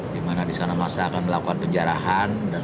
dimana di sana massa akan melakukan penjarahan